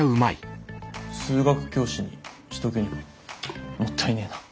数学教師にしとくにはもったいねえな。